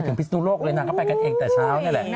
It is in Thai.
พิศนุโลกเลยนางก็ไปกันเองแต่เช้านี่แหละ